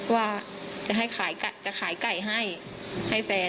ว่าจะขายไก่ให้ให้แฟน